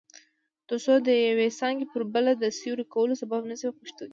ترڅو د یوې څانګې پر بله د سیوري کولو سبب نشي په پښتو کې.